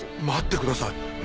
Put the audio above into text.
待ってください。